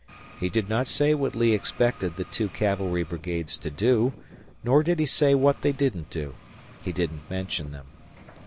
He did not say what Lee expected the two cavalry brigades to do, nor did he say what they didn't do he didn't mention them.